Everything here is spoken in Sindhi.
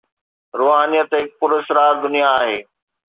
روحانيت هڪ پراسرار دنيا آهي.